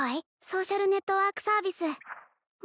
ソーシャルネットワークサービス